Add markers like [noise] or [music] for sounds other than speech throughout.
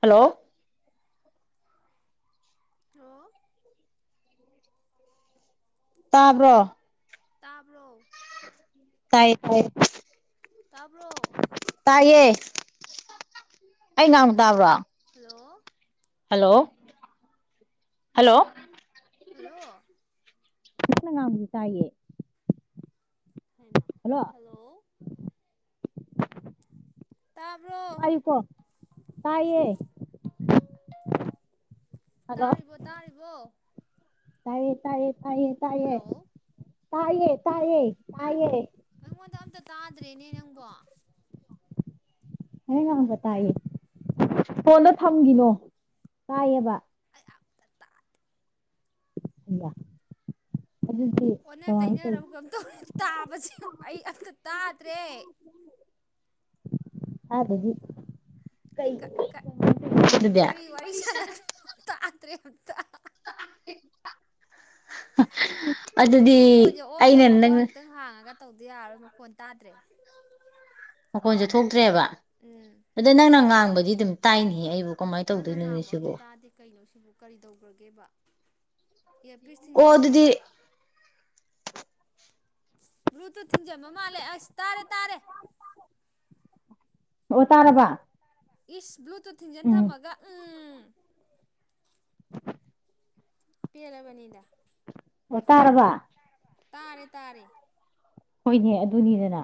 Hello. [unintelligible] ꯇꯥꯕ꯭ꯔꯣ꯫ ꯇꯥꯕ꯭ꯔꯣ꯫ ꯇꯥꯏ ꯇꯥꯏ꯫ ꯇꯥꯕ꯭ꯔꯣ꯫ ꯑꯩ ꯉꯥꯡ ꯇꯥꯕ꯭ꯔꯣ꯫ Hello hello hello. ꯍꯜꯂꯣ꯫ [unintelligible] ꯉꯥꯡꯕꯗꯤ ꯇꯥꯌꯀ꯫ ꯍꯜꯂꯣ꯫ [unintelligible] ꯇꯥꯏꯌꯦꯀꯣ ꯇꯥꯏꯦ ꯇꯥꯔꯤꯕꯣꯔ ꯇꯥꯔꯤꯕꯣ ꯇꯥꯏꯌꯦ ꯇꯥꯏꯌꯦ ꯇꯥꯏꯌꯦ ꯇꯥꯏꯌꯦ ꯍꯜꯂꯣ ꯇꯥꯏꯌꯦ ꯇꯥꯏꯌꯦ ꯇꯏꯌꯦ ꯑꯩꯉꯣꯟꯗ ꯑꯝꯇ ꯇꯥꯗ꯭ꯔꯦꯅꯦ ꯅꯪꯕꯨ ꯅꯪꯅꯥ ꯉꯥꯡꯉꯛꯄ ꯇꯥꯏꯌꯦ ꯐꯣꯟꯗ ꯊꯝꯒꯤꯅꯣ ꯇꯥꯏꯌꯦꯕ ꯑꯩ ꯑꯝꯇ ꯇꯥꯗꯦ ꯏ [inaudible] ꯑꯣꯠꯟꯅ ꯇꯩꯅꯔꯕ ꯀꯩꯅꯣꯝ ꯇꯧꯔꯦ ꯇꯥꯕꯁꯦ ꯑꯩ ꯑꯃꯥꯇꯥ ꯗꯔꯦ ꯑꯥꯗꯒꯤ ꯀ ꯑꯗꯩ ꯀ ꯑꯗꯨꯗ [inaudible] ꯗꯔꯦ ꯑꯃꯥꯇ [inaudible] ꯁꯤ ꯐꯣꯟꯁꯦ ꯑꯣꯐ ꯑꯩꯅ ꯊꯝꯃꯒ ꯅꯪ ꯑꯃꯨꯛꯇꯪꯒ ꯍꯥꯡꯉꯒ ꯇꯧꯗꯥ ꯌꯥꯔꯣꯏ ꯃꯈꯣꯟ ꯇꯥꯗ꯭ꯔꯦ ꯃꯈꯣꯟꯁꯨ ꯊꯣꯛꯇ꯭ꯔꯦꯍꯥꯏꯕꯥ ꯎꯝ ꯑꯨꯗ ꯅꯪꯅ ꯉꯥꯡꯕꯗꯤ ꯑꯗꯨꯗꯤ ꯑꯗꯨꯝ ꯇꯥꯏꯅꯦ ꯑꯩꯕꯨ ꯀꯃꯥꯏꯅ ꯅꯪꯅ ꯇꯧꯗꯣꯏꯅꯣꯅꯦ ꯉꯥꯡꯕ ꯑꯝꯇꯥ ꯁꯤꯕꯨ ꯇꯥꯗꯦ ꯀꯩꯅꯣ ꯁꯤꯕꯨ ꯀꯔꯤ ꯇꯧꯈ꯭ꯔꯒꯦꯕꯥ ꯏꯌꯥꯔꯄꯤꯁ ꯑꯣ ꯊꯤꯟꯖꯟꯕ꯭ꯔꯕꯥ ꯑꯗꯨꯗꯤ ꯕ꯭ꯂꯨꯇꯨꯠ ꯊꯤꯡꯖꯕ ꯃꯥꯜꯂꯦ ꯑꯥꯁ ꯇꯥꯔꯦ ꯇꯥꯔꯦ ꯑꯣꯑ ꯇꯥꯔꯕꯥ ꯏꯁ ꯕꯂꯨꯇꯨꯠ ꯇꯨ ꯊꯤꯟꯖꯤꯟ ꯊꯝꯃꯒ ꯎꯨꯝ [inaudible] ꯄꯦꯟꯂꯕꯅꯤꯗ ꯑꯣ ꯇꯔꯔꯥꯕ ꯇꯥꯔꯦ ꯇꯥꯔꯦ ꯍꯣꯏꯅꯦ ꯑꯗꯨꯅꯤꯗꯅ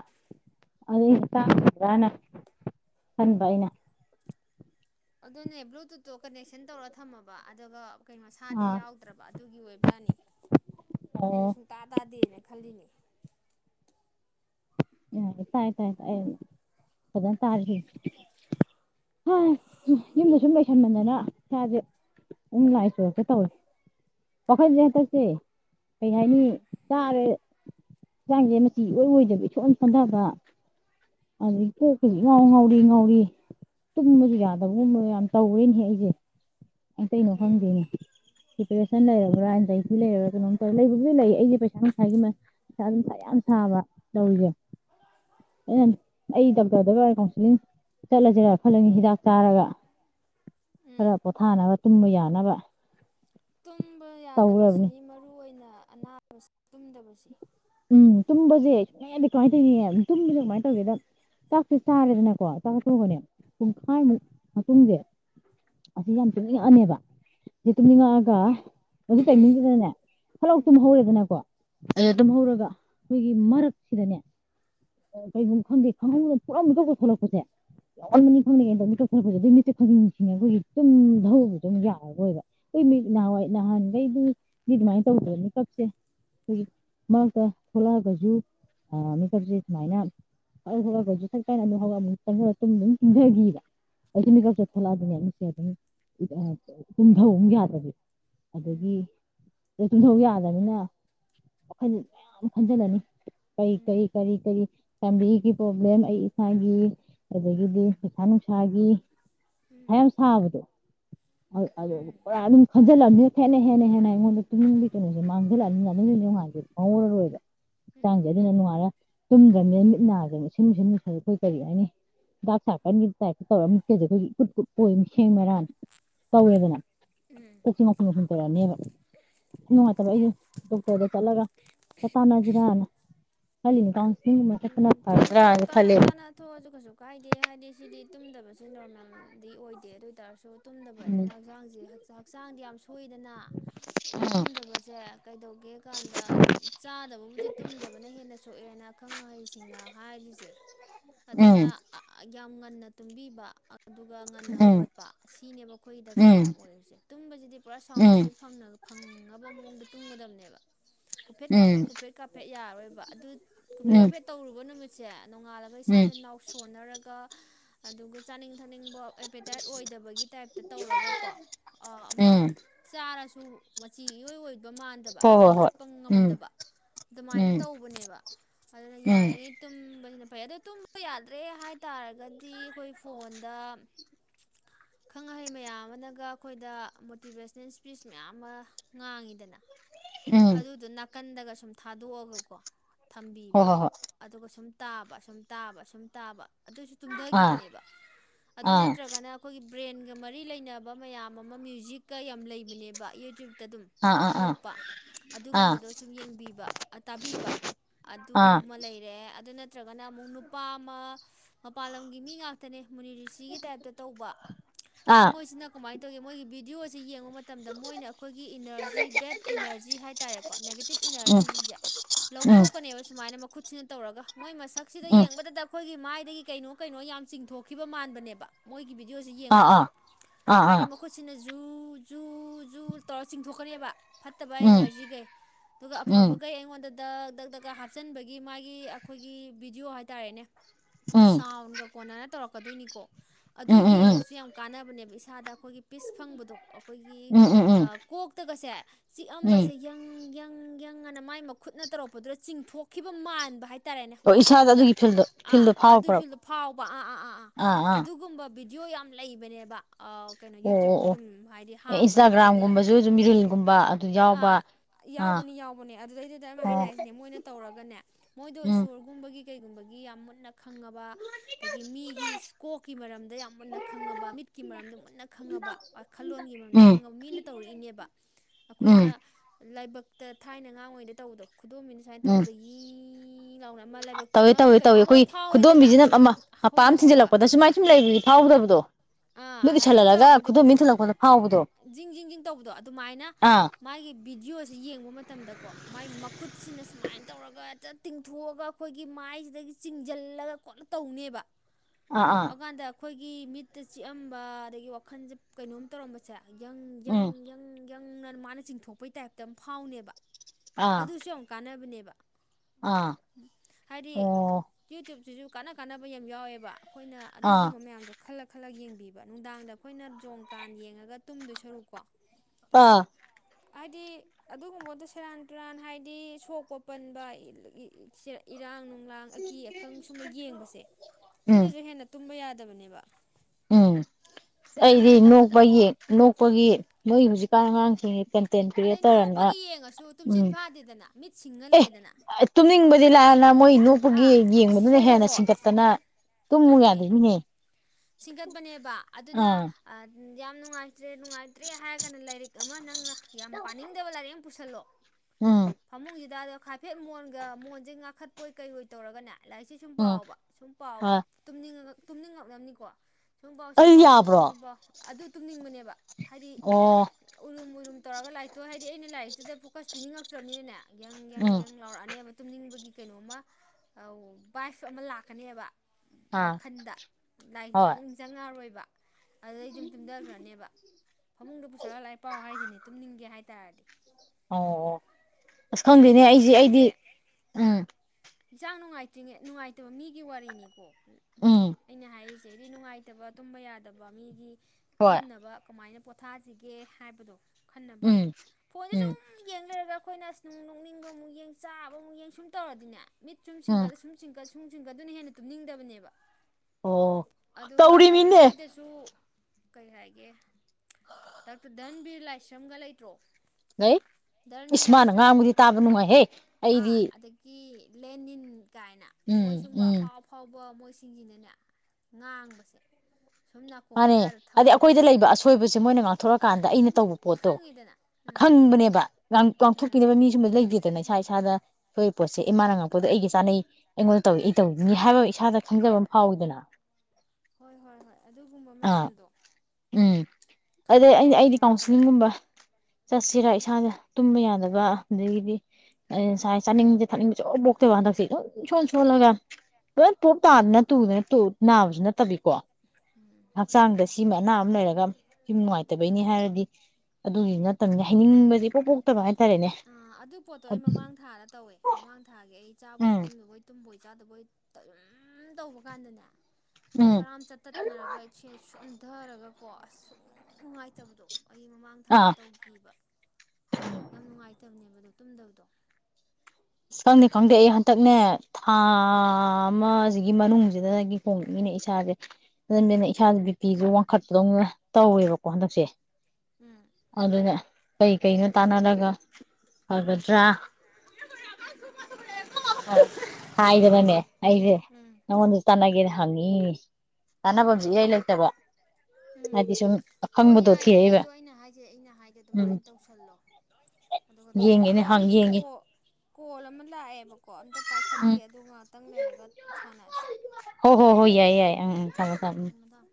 ꯑꯩꯗꯤ ꯇꯥꯗ꯭ꯔꯅ ꯈꯟꯕ ꯑꯩꯅ ꯑꯗꯨꯅꯤ ꯕ꯭ꯂꯨꯇꯨꯠꯇꯣ ꯀꯅꯦꯛꯁꯟ ꯇꯧꯔ ꯊꯝꯃꯕ ꯑꯗꯨꯒ ꯀꯩ ꯃꯁꯥꯗꯤ ꯑꯥ ꯌꯥꯎꯗ꯭ꯔꯕ ꯑꯗꯨꯒꯤ ꯑꯣꯏꯕꯖꯥꯠꯅꯤ ꯑꯩꯅ ꯑꯣ ꯁꯨꯡꯇꯥ ꯇꯥꯗꯦꯅ ꯈꯜꯂꯤꯅꯦ ꯌꯥ ꯇꯥꯏ ꯇꯥꯏ ꯇꯥꯏꯦ ꯑꯗꯨ ꯐꯖꯅ ꯇꯥꯔꯤꯁꯤ ꯌꯨꯝꯗ ꯁꯨꯝ ꯌꯥꯂꯦ ꯇꯥꯂꯦ ꯇꯥꯔꯦ ꯐꯖꯅꯅ ꯏꯁꯥꯁꯦ ꯑꯃꯨꯝ ꯌꯨꯝꯗ ꯑꯁꯨꯝ ꯂꯩꯁꯤꯟꯗꯅ ꯏꯁꯥꯁꯦꯑꯅꯝ ꯂꯥꯏ ꯆꯨꯔꯀ ꯇꯧꯔꯦ ꯋꯥꯈꯜꯁꯦ ꯍꯟꯇꯛꯁꯦ ꯀꯩ ꯍꯥꯏꯅꯤ ꯎꯝ ꯆꯥꯂꯦ ꯆꯟꯆꯥꯡꯁꯦ ꯃꯆꯤ ꯏꯑꯣꯏ ꯑꯣꯏꯣꯏꯔꯣꯏꯗꯕꯤ ꯁꯣꯟꯗꯕ ꯑꯗꯒꯤ ꯄꯣꯛꯄꯁꯨ ꯉꯥꯎꯔꯤ ꯉꯥꯎꯔꯤ ꯇꯨꯝꯕꯁꯨ ꯌꯥꯗꯕꯒꯨꯝꯕ ꯌꯥꯝ ꯇꯧꯔꯦꯅꯦ ꯍꯦ ꯑꯩꯁꯦ ꯑꯥꯁ ꯀꯩꯅꯣ ꯎꯝ ꯈꯪꯗꯦꯅꯦ ꯄꯔꯤꯄ꯭ꯔꯦꯁꯟ ꯂꯩꯔꯕ꯭ꯔꯥ ꯍꯥꯏꯅ ꯂꯩꯁꯨ ꯂꯩꯔꯔꯕꯥ ꯀꯩꯅꯣꯝ ꯇꯧꯔ ꯂꯩꯕꯕꯨꯁꯨ ꯂꯩ ꯑꯩꯗꯤ ꯄꯩꯁꯥ ꯅꯨꯡꯁꯥꯏꯒꯤ ꯄꯩꯁꯥ ꯅꯨꯡꯁꯥ ꯌꯥꯝ ꯁꯥꯕ ꯇꯧꯔꯤꯁꯦ ꯩꯅ ꯑꯩ ꯗꯣꯛꯇꯔꯗ ꯀꯥꯎꯟꯁꯤꯂꯤꯡ ꯆꯠꯂꯁꯤꯔ ꯈꯜꯂꯅꯤ ꯍꯤꯗꯥꯛ ꯆꯥꯔꯒ ꯎꯝ ꯈꯔ ꯄꯣꯊꯥꯅꯕ ꯇꯨꯝꯕ ꯌꯥꯅꯕ ꯇꯨꯝꯕ ꯇꯧꯔꯕꯅꯤ ꯌꯥꯗꯕꯁꯤꯅꯤ ꯃꯔꯨ ꯑꯣꯏꯅ ꯑꯅꯥ ꯇꯨꯝꯗꯕꯁꯤ ꯎꯝ ꯇꯨꯝꯕꯁꯦ ꯁꯨꯡꯛꯉꯗꯤ ꯀꯃꯥꯏꯅ ꯇꯧꯅꯤꯉ ꯇꯨꯝꯕꯁꯦ ꯀꯃꯥꯏꯅ ꯇꯧꯒꯦꯗ ꯆꯥꯛꯁꯦ ꯆꯥꯔꯦꯗꯅꯀꯣ ꯆꯥꯛ ꯇꯧꯕꯅꯦ ꯄꯨꯡꯈꯥꯏꯃꯨꯛ ꯃꯇꯨꯡꯁꯦ ꯑꯁꯤ ꯌꯥꯝ ꯇꯨꯝꯅꯤꯡꯉꯛꯑꯅꯦꯕ ꯑ ꯇꯨꯝꯅꯤꯡꯉꯛꯑꯒ ꯑꯗꯨ ꯇꯩꯃꯤꯗꯨꯗꯅꯅꯦ ꯐꯂꯥꯎ ꯇꯨꯝꯍꯧꯔꯦꯗꯅꯀꯣ ꯑꯩ ꯎꯝ ꯑꯗꯨꯝ ꯍꯧꯔꯒ ꯃꯔꯛꯁꯤꯗꯅꯦ ꯀꯩꯒꯨꯝꯕ ꯈꯪꯗꯦ ꯈꯪꯍꯟ ꯄꯨꯔ ꯑꯃꯨ ꯀ ꯊꯣꯛꯂꯛꯄꯁꯦ ꯑꯣꯜ ꯎꯝ ꯃꯅꯤ ꯈꯪꯉꯡ ꯃꯤ ꯈ ꯐꯖꯗ ꯑꯗꯨ ꯦ ꯐꯛꯒꯡꯁꯤꯡꯉꯦ ꯑꯩꯈꯒꯤ ꯇꯨꯝ ꯊꯧꯕ ꯑꯗꯨꯝ ꯌꯥꯔꯒꯣꯏꯕ ꯑꯩꯈꯣꯏ ꯃꯤꯠ ꯅꯍꯥꯟꯋꯥꯏ ꯅꯍꯥꯟꯈꯩꯗꯨꯗꯤ ꯑꯗꯨꯃꯥꯏꯅ ꯇꯧꯗꯕꯅꯤ ꯀꯞꯁꯦ ꯑꯩꯈꯣꯏꯒꯤ ꯃꯔꯛꯇ ꯊꯣꯛꯂꯛꯑꯒꯁꯨ ꯃꯤꯀꯞꯁꯦ ꯁꯨꯃꯥꯏꯅꯂ ꯊꯣꯛꯂꯒꯁꯨ ꯁꯛꯀꯥꯏꯅ ꯑꯗꯨꯝ ꯍꯧꯔ ꯆꯪꯊꯂꯨꯝ ꯑꯗꯨꯝ ꯇꯨꯝꯊꯈꯤꯕ ꯎꯝ ꯑꯩꯅꯤ ꯀ ꯆ ꯈꯂꯥꯗꯅꯤ ꯑꯗꯨꯝ ꯀꯨꯝꯊ ꯌꯥꯗ꯭ꯔꯗꯤ ꯎꯝ ꯑꯗꯒꯤ ꯑ ꯁꯨꯝꯊꯧꯧ ꯌꯥꯗꯅꯤꯅ ꯈꯟꯖꯂꯅꯤ ꯀꯔꯤ ꯎꯝ ꯀꯔꯤ ꯀꯔꯤ ꯀꯔꯤ ꯐꯦꯃꯤꯂꯤꯒꯤ ꯄ꯭ꯔꯣꯕ꯭ꯂꯦꯝ ꯑꯩ ꯏꯁꯥꯒꯤ ꯑꯗꯒꯤꯗꯤ ꯄꯩꯁꯥ ꯅꯨꯡꯁꯥꯒꯤ ꯃꯌꯥꯝ ꯁꯥꯕꯗꯣ ꯑꯗꯨ ꯄꯨꯔꯥ ꯑꯗꯨꯝ ꯈꯟꯖꯤꯜꯂꯃꯦ ꯍꯦꯟꯅ ꯍꯦꯟꯅ ꯍꯦꯟꯅ ꯑꯩꯉꯣꯟꯗ ꯇꯨꯅꯤꯡꯒꯤ ꯀꯩꯅꯣꯁꯦ ꯃꯥꯡꯖꯜꯂꯛꯑꯅꯤꯅ ꯍꯥꯏ ꯃꯔ ꯔꯗ ꯎꯝ ꯆꯪꯗꯤ ꯑꯗꯨꯅ ꯅꯨꯉꯥꯏꯔꯦ ꯇꯨꯝꯗꯕꯅꯤ ꯃꯤꯠ ꯅꯥꯗꯅ ꯏꯁꯤꯡ ꯁꯤꯟ ꯃꯁ ꯑꯩꯈꯣꯏ ꯀꯔꯤ ꯍꯥꯏꯅꯤ ꯍꯤꯗꯥꯛ ꯆꯥꯀꯟꯒꯤ ꯇꯥꯏꯞꯇ ꯇꯧꯔꯃꯤꯦꯁꯦ ꯑꯩꯈꯣꯏꯒꯤ ꯏꯀꯨꯠ ꯀꯨꯠ ꯀꯣꯏ ꯃꯤꯁꯦꯡ ꯃꯔꯥꯟ ꯇꯧꯋꯦꯗꯅ ꯎꯝ ꯑꯣ ꯅ ꯇꯔꯅꯦꯕ ꯅꯨꯡꯉꯥꯏꯇꯕ ꯑꯩꯁꯨ ꯗꯣꯛꯇꯔꯗ ꯆꯠꯂꯒ ꯆ ꯇꯥꯟꯅꯁꯤꯔꯥꯅ ꯈꯜꯂꯤꯅꯤ ꯀꯥꯎꯟꯁꯤꯂꯤꯡꯒꯨꯝꯕ ꯆ ꯇꯥꯟꯅ ꯊꯣꯛꯑꯁꯨ ꯀꯩꯁꯨ ꯀꯥꯏꯗꯦ ꯍꯥꯏꯗꯤ ꯁꯤꯗꯤ ꯇꯨꯝꯗꯕꯁꯦ ꯅꯣꯔꯃꯦꯜ ꯗꯤ ꯑꯣꯏꯗꯦ ꯑꯗꯨ ꯑꯣꯏꯇꯥꯔꯁꯨ ꯇꯨꯝꯗ ꯎꯝ ꯑꯁꯤꯅ ꯍꯛꯆꯥꯡꯁꯤ ꯍꯛꯆꯥꯡꯗꯤ ꯌꯥꯝ ꯁꯣꯏꯗꯅ ꯇꯨꯝꯗꯕꯁꯦ ꯀꯩꯗꯧꯒꯦ ꯀꯥꯟꯗ ꯆꯥꯗꯕꯕꯨꯗꯤ ꯇꯨꯝꯗꯕꯅ ꯍꯦꯟꯅ ꯁꯣꯛꯑꯦꯅ ꯑꯈꯪ ꯑꯍꯩꯁꯤꯡꯅ ꯎꯝ ꯎꯝ [unintelligible] ꯌꯥꯝ ꯉꯟꯅ ꯇꯨꯝꯕꯤꯕ ꯑꯗꯨꯒ ꯉꯟꯅ ꯎꯝ ꯍꯧꯒꯠꯄ ꯁꯤꯅꯦꯕ ꯑꯩꯈꯣꯏꯒꯤ ꯗꯔꯀꯥꯔ ꯌꯥꯝ ꯎꯝ ꯑꯣꯏꯔꯁꯦ ꯇꯨꯝꯕꯁꯤꯗꯤ ꯄꯨꯔꯥ ꯁꯥꯎꯟ ꯎꯝ ꯁ꯭ꯂꯤꯞ ꯐꯪꯉꯒ ꯐꯪꯉꯕ ꯃꯑꯣꯡꯗ ꯇꯨꯝꯒꯗꯕꯅꯦꯕ ꯀꯨꯐꯦꯠ ꯀꯥꯐꯦꯠ ꯀꯨꯐꯦꯠ ꯀꯥꯐꯦꯠ ꯌꯥꯔꯣꯏꯕ ꯑꯗꯨ ꯀꯨꯐꯦꯠ ꯎꯝ ꯀꯥꯐꯦꯠ ꯇꯧꯔꯨꯕ ꯅꯨꯃꯤꯠꯇ ꯆ [unintelligible] ꯅꯣꯡꯉꯥꯜꯂꯒ ꯎꯝ ꯏꯁꯥꯁꯦ ꯅꯥꯎ ꯁꯣꯟꯅꯔꯒ ꯑꯗꯨꯒ ꯆꯥꯅꯤꯡ ꯊꯥꯅꯤꯡꯕ ꯑꯦꯄꯦꯇꯥꯏꯠ ꯑꯣꯏꯗꯕꯒꯤ ꯇꯥꯏꯞꯇ ꯇꯧꯔꯒꯀꯣ ꯑꯃ ꯎꯝ ꯆꯥꯔꯁꯨ ꯃꯆꯤ ꯑꯣꯏ ꯕ ꯃꯥꯟꯗꯕ ꯍꯣꯏ ꯍꯣꯏ ꯍꯣꯏ ꯀꯟꯈꯠꯄ ꯎꯝ ꯉꯝꯗꯕ ꯑꯗꯨꯃꯥꯏꯅ ꯎꯝ ꯇꯧꯕꯅꯦꯕ ꯑꯗꯨꯅ ꯎꯝ ꯌꯥꯔꯤꯉꯩ ꯇꯨꯝꯕꯁꯤꯅ ꯐꯩ ꯑꯗꯣ ꯇꯨꯝꯕ ꯌꯥꯗ꯭ꯔꯦ ꯍꯥꯏꯇꯥꯥꯔꯒꯗꯤ ꯑꯩꯈꯣꯏ ꯐꯣꯟꯗ ꯈꯪ ꯑꯍꯩ ꯃꯌꯥꯝ ꯑꯃꯅꯒ ꯑꯩꯈꯣꯏꯗ ꯃꯣꯇꯤꯚꯦꯁꯅꯦꯜ ꯏꯁꯄꯤꯁ ꯃꯌꯥꯝ ꯑꯃ ꯉꯥꯡꯉꯤꯗꯅ ꯎꯝ ꯑꯗꯨ ꯑꯗꯨ ꯅꯥꯀꯟꯗꯒ ꯁꯨꯝ ꯊꯥꯗꯣꯛꯑꯒꯀꯣ ꯍꯣꯏ ꯊꯝꯕꯤꯕ ꯍꯣꯏ ꯍꯣꯏ ꯁꯨꯝ ꯇꯥꯕ ꯁꯨꯝ ꯇꯥꯕ ꯁꯨꯝ ꯇꯥꯕ ꯑꯗꯨꯁꯨ ꯑꯥ ꯇꯨꯝꯊꯈꯤꯕꯅꯦꯕ ꯑꯗꯨ ꯑꯥ ꯅꯠꯇ꯭ꯔꯒꯅ ꯑꯩꯈꯣꯏꯒꯤ ꯕ꯭ꯔꯦꯟꯒ ꯃꯔꯤ ꯂꯩꯅꯕ ꯃꯌꯥꯝ ꯑꯃ ꯃ꯭ꯌꯨꯖꯤꯛꯀ ꯌꯥꯝ ꯂꯩꯕꯅꯦꯕ ꯌꯨꯇ꯭ꯌꯨꯨꯞ ꯑꯗꯨꯝ ꯑꯥ ꯑꯥ ꯊꯥꯗꯣꯛꯄ ꯑꯥ ꯑꯗꯨꯒꯨꯝꯕꯗꯣ ꯁꯨꯝ ꯌꯦꯡꯕꯤꯕ ꯇꯥꯕꯤꯕ ꯑꯥ ꯑꯗꯨꯃ ꯂꯩ ꯑꯗꯨ ꯅꯠꯇ꯭ꯔꯒꯅ ꯑꯃꯨꯛ ꯅꯨꯄꯥ ꯑꯃ ꯃꯄꯥꯟ ꯂꯝꯒꯤ ꯃꯤ ꯉꯥꯛꯇꯅꯦ ꯃꯨꯅꯤꯔꯤꯁꯤꯒꯤ ꯇꯥꯏꯞꯇ ꯇꯧꯕ ꯑꯥ ꯑꯥ ꯃꯣꯏꯁꯤꯅ ꯀꯃꯥꯏꯅ ꯇꯧ ꯇꯧ ꯃꯣꯏꯒꯤ ꯚꯗꯤꯑꯣꯁꯤ ꯌꯦꯡꯉꯨ ꯃꯇꯝꯗ ꯃꯣꯏꯅ ꯑꯩꯈꯣꯏꯒꯤ ꯏꯅꯔꯖꯤ ꯕꯦꯠ ꯏꯅꯔꯖꯤ ꯍꯥꯏ ꯇꯥꯔꯦꯀꯣ ꯅꯦꯒꯦꯇꯤꯞ ꯎꯝ ꯏꯅꯔꯖꯤꯁꯤꯡꯁꯦ ꯎꯝ ꯂꯧꯊꯣꯛꯀꯅꯦꯕ ꯁꯨꯃꯥꯏꯅ ꯃꯈꯨꯠ ꯆꯠ ꯇꯧꯔꯒ ꯃꯣꯏ ꯃꯁꯛꯁꯤꯗ ꯎꯝ ꯌꯦꯡꯕꯗꯗ ꯑꯩꯈꯣꯏꯒꯤ ꯃꯥꯏ ꯑꯗꯒꯤ ꯀꯩꯅꯣ ꯀꯩꯅꯣ ꯌꯥꯝ ꯆꯤꯡꯊꯣꯛꯈꯤꯕ ꯃꯥꯟꯕꯅꯦꯕ ꯃꯣꯏꯒꯤ ꯚꯤꯗꯤꯑꯣꯁ ꯑꯥ ꯌꯦꯡꯕꯗ ꯑꯥ ꯑꯥ ꯍꯥꯏꯗꯤ ꯑꯥ ꯃꯈꯨꯠꯁꯤꯅꯁꯨꯨ ꯖꯨ ꯖꯨ ꯖꯨ ꯇꯧꯔ ꯆꯤꯡꯊꯣꯛꯀꯅꯦꯕ ꯐꯠꯇꯕ ꯎꯝ ꯏꯅꯔꯖꯤꯈꯩ ꯑꯗꯨꯒ ꯎꯝ ꯎꯝ ꯑꯐꯕꯈꯩ ꯑꯩꯉꯣꯟꯗ ꯗꯛ ꯗꯛ ꯗꯛꯀ ꯍꯥꯞꯆꯤꯟꯕꯒꯤ ꯃꯥꯏ ꯑꯩꯈꯣꯏꯒꯤ ꯚꯤꯗꯤꯑꯣ ꯍꯥꯏꯇꯥꯔꯦꯅꯦ ꯎꯝ ꯁꯥꯥꯎꯟꯒ ꯀꯣꯟꯅꯥꯅ ꯇ ꯀꯗꯣꯏꯅꯤꯀꯣ ꯑꯗꯨ ꯎꯝ ꯎꯝ ꯌꯦꯡꯕꯁꯨ ꯌꯥꯝ ꯀꯥꯟꯅꯕꯅꯦꯕ ꯏꯁꯥꯗ ꯑꯩꯈꯣꯏꯒꯤ ꯄꯤꯁ ꯐꯪꯕꯗꯣ ꯑꯩꯈꯣꯏꯒꯤ ꯎꯝ ꯎꯝ ꯎꯝ ꯀꯣꯛꯇꯒꯁꯦ ꯎꯝ ꯆꯤꯛꯑꯝꯕꯁꯦ ꯌꯪ ꯌꯪ ꯌꯪ ꯑꯅ ꯃꯥꯏ ꯃꯈꯨꯠꯅ ꯇꯧꯔꯛꯄꯗꯨꯗ ꯆꯤꯡꯊꯣꯛꯈꯤꯕ ꯃꯥꯟ ꯍꯥꯏꯇꯥꯔꯦꯅꯦ ꯑꯣ ꯏꯁꯥꯗ ꯋꯥꯈꯟꯗ ꯑꯗꯨꯒꯤ ꯐꯤꯜꯗꯣ ꯑꯥ ꯐꯤꯜꯗꯣ ꯑꯥ ꯑꯗꯨꯁꯨ ꯐꯥꯎꯕ꯭ꯔꯕ ꯑꯗꯨ ꯐꯥꯎꯕ ꯑꯥ ꯑꯥ ꯑꯥ ꯑꯥ ꯑꯗꯨꯒꯨꯝꯕ ꯕꯤꯗꯤꯑꯣ ꯌꯥꯝ ꯂꯩꯕꯅꯦꯕ ꯑ ꯀꯩꯅꯣ ꯑꯣ ꯑꯣ ꯌꯨꯇ꯭ꯌꯨꯕꯇ ꯑꯣ ꯑꯗꯨꯝ ꯍꯥꯏꯗꯤ ꯑꯦ ꯍꯥꯡꯕꯅꯦꯕ ꯆꯦꯟꯅꯦꯜ ꯏꯟꯁꯇꯥꯒ꯭ꯔꯥꯝꯒꯨꯝꯕꯁꯨ ꯑꯗꯨꯝ ꯔꯤꯜꯒꯨꯝꯕ ꯑꯗꯨ ꯌꯥꯎꯕ ꯑꯥ ꯑꯥ ꯌꯥꯎꯕꯅꯤ ꯌꯥꯎꯕꯅꯦ ꯑꯗꯨꯗꯩꯗꯨꯗ ꯑꯩꯅ ꯑꯣ ꯍꯥꯏꯁꯤꯅꯦ ꯃꯣꯏꯅ ꯇꯧꯔꯒꯅꯦ ꯗꯣ ꯎꯝ ꯏꯁꯣꯔꯒꯨꯝꯕꯒꯤ ꯒꯤ ꯀꯩꯒꯨꯝꯕꯒꯤ ꯌꯥꯝ ꯃꯨꯟꯅ ꯈꯪꯉꯕ ꯑꯗꯒꯤ ꯃꯤꯒꯤ ꯀꯣꯛꯀꯤ ꯃꯔꯝꯗ ꯌꯥꯝ ꯃꯨꯟꯅ ꯈꯪꯉꯕ ꯃꯤꯠꯀꯤ ꯃꯔꯝꯗ ꯃꯨꯟꯅ ꯈꯪꯉꯕ ꯋꯈꯜꯂꯣꯟꯒꯤ ꯃꯔꯝꯗ ꯎꯝ ꯈꯪꯉꯕ ꯃꯤꯅ ꯇꯧꯔꯛꯏꯅꯦꯕ ꯎꯝ ꯑꯩꯈꯣꯏꯅ ꯂꯥꯏꯕꯛ ꯇ ꯊꯥꯏꯅ ꯑꯉꯥꯡ ꯉꯣꯏꯗ ꯇꯧꯕꯗꯣ ꯈꯨꯗꯣꯝꯕꯤꯅ ꯁꯨꯃꯥꯏꯅ ꯎꯝ ꯇꯧꯕꯗꯒꯤ ꯌꯤ ꯂꯥꯎꯅ ꯑꯃ ꯂꯥꯏꯕꯛꯇ ꯇꯧꯋꯦ ꯑꯃ ꯇꯧꯋꯦ ꯇꯧꯋꯦ ꯀꯩꯅꯣꯝꯃ ꯑꯈꯣꯏꯒꯤ ꯐꯥꯎꯋꯦꯗꯅ ꯈꯨꯗꯣꯝꯕꯤꯁꯤꯅ ꯑꯃ ꯍꯣ ꯃꯄꯥ ꯍꯣ ꯑꯃ ꯍꯣ ꯍꯣꯏ ꯊꯤꯟꯖꯤꯜꯂꯛꯄꯗ ꯁꯨꯃꯥꯏ ꯁꯨꯝ ꯂꯩꯒꯤꯕꯗꯤ ꯐꯥꯎꯗꯕꯗꯣ ꯑꯥ ꯃꯤꯠ ꯁꯨꯃꯥꯏꯅ ꯌꯥꯝ ꯎꯏꯁꯜꯍꯜꯂꯒ ꯇꯧꯔꯛꯄꯗ ꯈꯨꯗꯣꯝꯕꯤꯅ ꯊꯤꯜꯂꯛꯄꯗ ꯐꯥꯎ ꯖꯤꯡ ꯖꯤꯡ ꯖꯤꯡ ꯇꯧꯕꯗꯣ ꯑꯗꯨꯃꯥꯏꯅ ꯑꯥ ꯃꯥꯒꯤ ꯚꯤꯗꯤꯑꯣꯁꯦ ꯌꯦꯡꯕ ꯃꯇꯝꯗꯀꯣ ꯃꯥꯒꯤ ꯃꯈꯨꯠꯁꯤꯅ ꯁꯨꯃꯥꯏꯅ ꯇꯧꯔꯒ ꯍꯦꯛꯇ ꯇꯤꯡꯊꯣꯛꯑꯒ ꯑꯈꯣꯏꯒꯤ ꯃꯥꯏꯁꯤꯗꯒꯤ ꯆꯤꯡꯁꯤꯜꯂꯒ ꯈꫭꯠꯂ ꯇꯧꯅꯦꯕ ꯑꯥ ꯑꯥ ꯑꯣ ꯀꯥꯟꯗ ꯑꯈꯣꯏꯒꯤ ꯃꯤꯠꯇ ꯆꯤꯛꯑꯝꯕ ꯑꯗꯒꯤ ꯋꯥꯈꯜꯖꯦ ꯀꯩꯅꯣꯝ ꯇꯧꯔꯝꯕꯖꯦ ꯌꯪ ꯌꯪ ꯎꯝ ꯌꯪ ꯌꯪꯅ ꯃꯥꯅ ꯆꯤꯡꯊꯣꯛꯄꯩ ꯇꯥꯏꯞꯇ ꯑꯃ ꯐꯥꯎꯅꯦꯕ ꯑꯥ ꯑꯗꯨꯁꯨ ꯌꯥꯝ ꯀꯥꯟꯅꯕꯅꯦꯕ ꯑꯥ ꯍꯥꯏꯗꯤ ꯑꯣ ꯌꯨ ꯇ꯭ꯌꯨꯕꯖꯤꯖꯨ ꯀꯥꯟꯅ ꯀꯥꯟꯅꯕ ꯌꯥꯝ ꯌꯥꯎꯋꯦꯕ ꯑꯈꯣꯏꯅ ꯑꯥ ꯑꯗꯨꯒꯨꯝꯕ ꯃꯌꯥꯝꯗꯣ ꯈꯜꯂꯛ ꯈꯜꯂꯒ ꯌꯦꯡꯕꯤꯕ ꯅꯨꯡꯗꯥꯡꯗ ꯑꯈꯣꯏꯅ ꯖꯣꯡ ꯀꯥꯟ ꯌꯦꯡꯉꯒ ꯇꯨꯝꯗꫭꯏ ꯁꯔꯨꯛꯀꯣ ꯑꯥ ꯍꯥꯏꯗꯤ ꯑꯗꯨꯒꯨꯝꯕꯗꯣ ꯁꯦꯔꯥꯟ ꯇꯨꯔꯥꯟ ꯍꯥꯏꯗꯤ ꯁꯣꯛꯄ ꯄꯟꯕ [unintelligible] ꯏꯔꯥꯡ ꯅꯨꯡ ꯅꯨꯡꯂꯡ ꯑꯀꯤ ꯑꯈꯪ ꯁꯨꯝꯕ ꯁꯦꯡꯕꯁꯦ ꯎꯝ ꯁꯤꯅꯖꯨ ꯍꯦꯟꯅ ꯇꯨꯝꯕ ꯌꯥꯗꯦ ꯗꯕꯅꯦꯕ ꯎꯝ ꯑꯩꯗꯤ ꯅꯠꯇꯕꯗ ꯅꯣꯛꯄꯒꯤ ꯅꯣꯛꯄꯒꯤ ꯃꯣꯏ ꯍꯧꯖꯤꯛꯀꯥꯟ ꯑꯉꯥꯡꯁꯤꯡꯖꯦ ꯑꯗꯩ ꯅꯣꯛꯄꯒꯤ ꯌꯦꯡꯉꯁꯨ ꯇꯨꯝꯁꯤꯠ ꯐꯥꯗꯦꯗꯅ ꯃꯤꯠ ꯁꯤꯡꯉ ꯂꯩꯌꯦꯗꯅ ꯑꯦ ꯇꯨꯝꯅꯤꯡꯕꯗꯤ ꯂꯥꯏꯔꯗꯅ ꯅ ꯃꯣꯏ ꯅꯣꯛꯄꯒꯤ ꯑꯥ ꯌꯦꯡꯕꯗꯨꯅ ꯍꯣ ꯍꯣ ꯍꯦꯟꯅ ꯍꯣ ꯁꯤꯡꯀꯠꯇꯅ ꯇꯨꯝꯃꯨ ꯑꯗꯨꯅꯦ ꯌꯥꯗ꯭ꯔꯤꯅꯤꯅꯦ ꯑꯥ ꯎꯝ ꯌꯥꯝ ꯅꯨꯡꯉꯥꯏ ꯖꯦ ꯅꯨꯡꯉꯥꯏꯇ꯭ꯔꯦ ꯍꯥꯏꯔꯒꯅ ꯂꯥꯏꯔꯤꯛ ꯑꯃ ꯅꯪꯅ ꯌꯥꯝ ꯄꯅꯤꯡꯗꯕ ꯂꯥꯏꯔꯤꯛ ꯑꯝ ꯄꯨꯁꯜꯂꯣ ꯎꯝ ꯐꯃꯨꯡꯁꯤꯗꯗ ꯍꯥꯏꯐꯦꯠ ꯃꯣꯟꯒ ꯃꯣꯟꯁꯦ ꯉꯥꯛꯈꯠ ꯄꯣꯏ ꯀꯩ ꯍꯣꯏ ꯇꯧꯔꯒꯅꯦ ꯂꯥꯏꯔꯤꯛꯁꯦ ꯁꯨꯝ ꯎꯝ ꯄꯥꯎꯕ ꯁꯨꯝ ꯄꯥꯎꯕ ꯑꯥ ꯇꯨꯝꯅꯤꯡꯉꯒ ꯇꯨꯝꯅꯤꯡ ꯉꯛꯅꯝꯅꯤꯀꯣ ꯁꯨꯝꯄꯥꯎ ꯑꯩ ꯁꯨꯝꯄꯥꯎ ꯁꯨꯝꯄꯥꯎ ꯌꯥꯕ꯭ꯔꯣ ꯁꯨꯝꯄꯥꯎ ꯑꯗꯨ ꯇꯨꯝꯅꯤꯡꯕꯅꯦꯕ ꯍꯥꯏꯗꯤ ꯑꯣ ꯎꯢꯔꯨꯝ ꯃꯣꯏꯔꯨꯝ ꯇꯧꯔꯒ ꯂꯥꯏꯔꯤꯛꯇꯣ ꯍꯥꯏꯗꯤ ꯑꯩꯅ ꯂꯥꯏꯔꯤꯛꯇꯨꯗ ꯐꯣꯀꯁ ꯄꯤꯅꯤꯡꯉꯛꯇ꯭ꯔꯕꯅꯤꯅꯅꯦ ꯌꯪ ꯌꯪ ꯎꯝ ꯌꯪ ꯂꯥꯎꯔꯛꯑꯅꯦꯕ ꯇꯨꯝꯅꯤꯡꯕꯒꯤ ꯀꯩꯅꯣꯝꯃ ꯕꯥꯏꯐ ꯑꯃ ꯂꯥꯛꯀꯅꯦꯕ ꯑꯥ ꯋꯥꯈꯟꯗ ꯂꯥꯏꯛꯇ ꯍꯣꯏ ꯄꯨꯛꯅꯤꯡ ꯆꯪꯉꯛꯔꯣꯏꯕ ꯑꯗꯨꯗ ꯑꯩ ꯑꯗꯨꯝ ꯇꯨꯝꯊꯈ꯭ꯔꯅꯦꯕ ꯐꯃꯨꯡꯗ ꯄꯨꯁꯜꯂ ꯂꯥꯛꯏ ꯄꯥꯎ ꯍꯥꯏꯁꯤꯅꯤ ꯇꯨꯝꯅꯤꯡꯒꯦ ꯍꯥꯏꯇꯥꯥꯔꯗꯤ ꯑꯣ ꯑꯣ ꯑꯁ ꯈꯪꯗꯅꯦ ꯑꯩꯁꯦ ꯑꯩꯗꯤ ꯎꯝ ꯍꯤꯟꯖꯥꯡ ꯅꯨꯡꯉꯥꯏꯇ꯭ꯔꯤꯉꯩ ꯅꯨꯡꯉꯥꯏꯇꯕ ꯃꯤꯒꯤ ꯋꯥꯔꯤꯅꯤꯀꯣ ꯎꯝ ꯑꯩꯅ ꯍꯥꯏꯔꯤ ꯁꯤꯆꯦꯗꯤ ꯅꯨꯡꯉꯥꯏꯇꯕ ꯇꯨꯝꯕ ꯌꯥꯗꯕ ꯃꯤꯒꯤ ꯍꯣꯏ ꯇꯨꯝꯅꯕ ꯀꯃꯥꯏꯅ ꯄꯣꯊꯥꯁꯤꯒꯦ ꯍꯥꯏꯕꯗꯣ ꯈꯟꯅꯕ ꯎꯝ ꯐꯣꯟꯗꯁꯨ ꯎꯝ ꯑꯗꯨꯨꯝ ꯌꯦꯡꯅꯔꯒ ꯑꯩꯈꯣꯏ ꯅꯪ ꯅꯣꯛꯅꯤꯡꯕ ꯑꯃꯨꯛ ꯌꯦꯡ ꯆꯥꯕ ꯑꯃꯨꯛ ꯌꯦꯡ ꯁꯨꯝ ꯇꯧꯔꯗꯤꯅꯦ ꯃꯤꯠ ꯆꯨꯝ ꯎꯝ ꯁꯤꯡꯒꯠꯂ ꯁꯨꯝ ꯤꯡꯒꯠ ꯊꯨꯡꯁꯤꯡꯒ ꯑꯗꯨꯅ ꯍꯦꯟꯅ ꯇꯨꯝꯅꯤꯡꯗꯕꯅꯦꯕ ꯑꯣ ꯑꯗꯨꯒ ꯍꯥꯏꯗꯤ ꯇꯧꯔꯤꯃꯤꯅꯦ ꯑꯩꯈꯣꯏꯗꯁꯨ ꯀꯩ ꯍꯥꯏꯒꯦ ꯗꯥꯛꯇꯔ ꯙꯟꯕꯤꯔ ꯂꯥꯏꯁ꯭ꯔꯝꯒ ꯂꯩꯇ꯭ꯔꯣ ꯑꯩ ꯙꯔꯟꯕꯤꯔ ꯏꯁꯁꯃꯥꯥꯟ ꯂꯥꯏꯁ꯭ꯔꯝ ꯑꯉꯥꯡꯕꯨꯗꯤ ꯇꯥꯕ ꯅꯨꯡꯉꯥꯏꯍꯦ ꯑꯩꯗꯤ ꯂꯅꯤꯟ ꯀꯥꯏꯅ ꯎꯝ ꯃꯣꯏ ꯁꯨꯝꯕ ꯎꯝ ꯑꯐꯥꯎ ꯑꯐꯥꯎ ꯣ ꯃꯣꯏꯁꯤꯡꯁꯤꯅꯅꯦ ꯉꯥꯡꯕꯁꯦ ꯁꯨꯝ ꯅꯥꯀꯣꯡ ꯃꯥꯅꯦ ꯃꯌꯥꯗ ꯑꯗꯩ ꯑꯩꯈꯣꯏꯗ ꯊꯝꯃꯣꯕ ꯂꯩꯕ ꯑꯁꯣꯏꯕꯁꯦ ꯃꯣꯏꯅ ꯉꯥꯛꯊꯣꯔꯛ ꯀꯥꯟꯗ ꯏꯩꯅ ꯇꯧꯕ ꯄꯣꯠꯇꯣ ꯈꯪꯉꯤꯗꯅ ꯑ ꯎꯝ ꯈꯪꯕꯅꯦꯕ ꯎꯝ ꯄꯥꯡꯊꯣꯛꯄꯤꯅꯕ ꯃꯤ ꯁꯨꯝꯗ ꯂꯩꯦ ꯑꯗꯨꯅ ꯏꯁꯥ ꯏꯁꯥꯗ ꯑꯩꯈꯣꯏꯒꯤ ꯄꯣꯠꯁꯦ ꯏꯃꯥꯅ ꯉꯉꯛꯄꯗꯣ ꯑꯩꯒ ꯆꯥꯅꯩ ꯑꯩꯉꯣꯟꯗ ꯇꯧꯋꯤ ꯑꯩ ꯇꯧꯅꯤ ꯍꯥꯏꯕ ꯏꯁꯥꯗ ꯈꯪꯖꯕ ꯑꯃ ꯐꯥꯎꯏꯤꯗꯅ ꯍꯣꯏ ꯍꯣꯏ ꯍꯣꯏ ꯑꯗꯨꯒꯨꯝꯕ ꯑꯥ ꯃꯌꯥꯝꯗꯣ ꯎꯝ ꯑꯗꯩ ꯑ ꯈꯪꯇꯣꯛꯑꯒ ꯑꯩꯗꯤ ꯀꯩꯅꯣ ꯇꯧꯕ ꯀꯥꯎꯟꯁꯤꯂꯤꯡꯒꯨꯝꯕ ꯆꯠꯁꯤꯔꯥ ꯏꯁꯥꯥꯁꯦ ꯇꯨꯝꯕ ꯌꯥꯗꯕ ꯑꯗꯒꯤꯗꯤ ꯉꯁꯥꯏ ꯆꯥꯅꯤꯡꯁꯦ ꯊꯛꯅꯤꯡꯕꯁꯨ ꯄꯣꯛꯇꯦꯕ ꯍꯟꯗꯛꯁꯦ ꯁꯨꯝ ꯁꯣꯟ ꯁꯣꯜꯂꯒ ꯂꯣꯏ ꯄꯣꯛ ꯇꯥꯗꯅ ꯇꯨꯗꯅ ꯅꯥꯕꯁꯨ ꯅꯠꯇꯕꯤꯀꯣ ꯍꯛꯆꯥꯡꯗ ꯁꯤꯃ ꯑꯅꯥ ꯑꯃ ꯂꯩꯔꯒ ꯁꯨꯝ ꯅꯨꯡꯉꯥꯏꯇꯕꯩꯅꯤ ꯍꯥꯏꯔꯗꯤ ꯑꯗꯨꯒꯤꯁꯨ ꯅꯠꯇꯕꯗ ꯍꯥꯏꯅꯤꯡꯕꯁꯦ ꯄꯣꯛꯄꯣꯛꯇꯕ ꯍꯥꯏꯦ ꯑ ꯑꯗꯨ ꯄꯣꯠꯇꯣ ꯑꯩ ꯃꯃꯥꯡ ꯊꯥꯅ ꯇꯧꯋꯦ ꯃꯃꯥꯡ ꯊꯥꯒꯤ ꯑꯩ ꯆꯥꯕꯣꯏ ꯎꯝ ꯇꯨꯝ ꯍꯣꯏꯨꯝ ꯝꯕꯣꯏ ꯆꯥꯗꯕꯣꯏ ꯑꯗꯨꯝ ꯇꯧꯕ ꯀꯥꯟꯗꯅꯦ ꯎꯝ ꯆꯔꯥꯝ ꯆꯠꯇꯠꯅꯔꯒ ꯏꯦ ꯄꯊꯔꯒꯀꯣ ꯑꯁꯨꯛ ꯅꯨꯡꯉꯥꯏꯇꯕꯗꯣ ꯑꯩ ꯃꯃꯥꯡ ꯊꯥꯗ ꯑꯥ ꯇꯧꯈꯤꯕ ꯌꯥꯝ ꯅꯨꯡꯉꯥꯏꯖ ꯑꯁ ꯈꯪꯗꯦ ꯈꯪꯗꯦ ꯑꯩ ꯍꯟꯗꯛꯅꯦ ꯊꯥ ꯑꯃꯁꯤꯒꯤ ꯃꯅꯨꯡꯁꯤꯗꯒꯤ ꯍꯣꯡꯉꯛꯅꯤꯅꯦ ꯏꯁꯥꯁꯦꯅ ꯏꯁꯥꯥꯁ ꯕꯤꯄꯤꯗꯨ ꯋꯥꯡꯈꯠꯄꯗꯧꯅ ꯇꯧꯋꯦꯕꯀꯣ ꯍꯟꯗꯛꯁꯦ ꯎꯝ ꯑꯗꯨꯒ ꯀꯩ ꯀꯩꯅꯣ ꯇꯥꯟꯅꯔꯒ ꯐꯒꯗ꯭ꯔꯥ ꯏꯗ ꯃꯅꯦꯦ ꯑꯩꯗꯦ ꯎꯝ ꯅꯟ ꯆꯉꯒꯗ ꯍꯪꯉꯤ ꯆꯥꯟꯅꯐꯝꯁꯨ ꯏꯍꯩ ꯂꯩꯇꯕꯣ ꯎꯝ ꯍꯣꯏ ꯌꯥꯏꯌꯦꯦ ꯊꯤꯔꯛꯏꯕ ꯑꯗ ꯑꯩꯅ ꯍꯥꯏꯁꯩ ꯑꯩꯅ ꯍꯥꯏꯁꯦ ꯎꯝ ꯑꯗꯨꯃꯥꯏꯅ ꯇꯧꯁꯜꯂꯣ ꯑꯗꯨꯒ ꯇꯧ ꯑꯗꯣ ꯌꯦꯡꯒꯦꯅꯦ ꯍꯪ ꯑꯩꯁꯦ ꯌꯦꯡꯒꯦ ꯀꯣ ꯀꯣꯜ ꯑꯃ ꯂꯥꯛꯑꯦꯕꯀꯣ ꯑꯝꯇ ꯎꯝ ꯄꯥꯏꯈꯠꯀꯦ ꯑꯗꯨꯒ ꯉꯍꯥꯛꯇꯪ ꯂꯩꯔꯒ ꯁꯥꯟꯅꯁꯤꯦ ꯎꯝ ꯎꯝ ꯊꯝꯃꯣ ꯊꯝꯃꯣ